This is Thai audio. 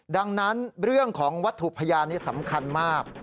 ดังนั้นเรื่องของวัตถุพยานนี้สำคัญมาก